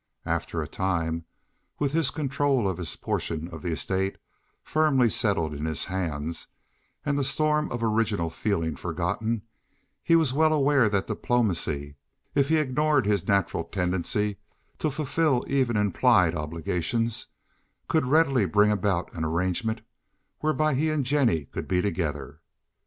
After a time, with his control of his portion of the estate firmly settled in his hands and the storm of original feeling forgotten, he was well aware that diplomacy—if he ignored his natural tendency to fulfil even implied obligations—could readily bring about an arrangement whereby he and Jennie could be together.